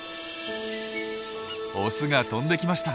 オスが飛んできました。